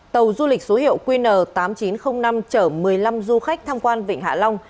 tàu du lịch số hiệu qn tám nghìn chín trăm linh năm chở một mươi năm du khách tham quan vịnh hạ long